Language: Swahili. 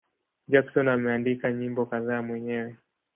Jackson ameandika nyimbo kadhaa mwenyewe.